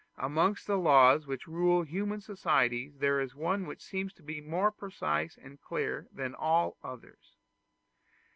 Amongst the laws which rule human societies there is one which seems to be more precise and clear than all others.